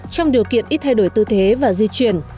trong điều kiện ít thay đổi tư thế và di chuyển